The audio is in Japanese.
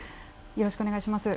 よろしくお願いします。